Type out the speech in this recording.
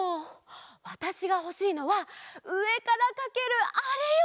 わたしがほしいのはうえからかけるあれよ！